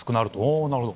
おなるほど。